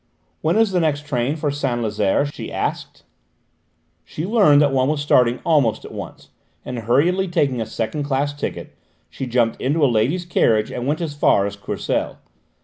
"When is the next train for Saint Lazaire?" she asked. She learned that one was starting almost at once, and hurriedly taking a second class ticket she jumped into a ladies' carriage and went as far as Courcelles.